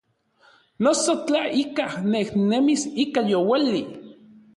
Noso tla ikaj nejnemis ika youali.